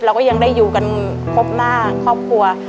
เราก็ยังได้อยู่กันครบหน้าครอบครัว